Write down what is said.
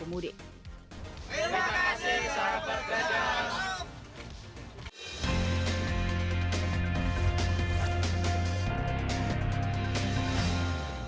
terima kasih sahabat ganjar